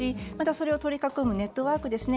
それを取り囲むネットワークですね